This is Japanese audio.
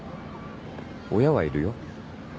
親はいるよ。